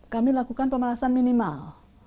kami lakukan pemanasan minimal